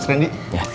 selamat pagi mas rendy